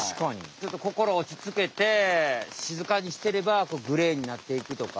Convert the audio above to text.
ちょっとこころおちつけてしずかにしてればグレーになっていくとか。